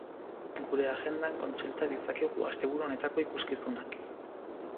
Gure agendan kontsulta ditzakezue asteburu honetako ikuskizunak.